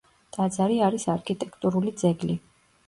ტაძარი არის არქიტექტურული ძეგლი.